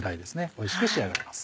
おいしく仕上がります。